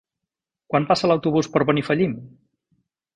Quan passa l'autobús per Benifallim?